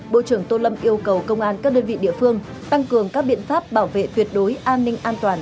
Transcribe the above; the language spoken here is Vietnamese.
bộ trưởng tô lâm yêu cầu công an các đơn vị địa phương tăng cường các biện pháp bảo vệ tuyệt đối an ninh an toàn